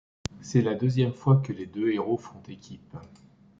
C'est la deuxième fois que les deux héros font équipe.